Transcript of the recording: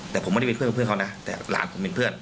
แต่ผมไม่ได้เป็นเพื่อนกับเพื่อนเขานะแต่หลานผมเป็นเพื่อน